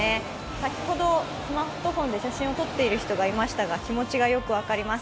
先ほど、スマートフォンで写真を撮っている人がいましたが気持ちがよく分かります。